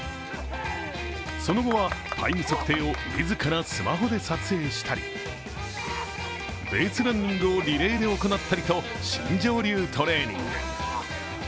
その後はタイム測定を自らスマホで撮影したりベースランニングをリレーで行ったりと新庄流トレーニング。